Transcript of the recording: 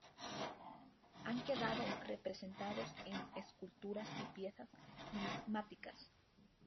Han quedado representados en esculturas y piezas numismáticas.